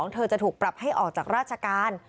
เธอจะถูกปรับให้ออกจากราชการ